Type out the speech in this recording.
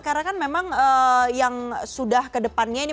karena kan memang yang sudah kedepannya ini